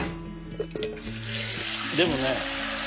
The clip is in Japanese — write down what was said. でもね